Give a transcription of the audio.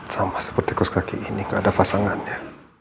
sama seperti ku sekali ini gak ada pasangannya